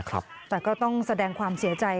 แต่ก็ต้องแสดงความเสียใจ